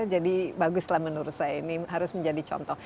jadi baguslah menurut saya ini harus menjadi contoh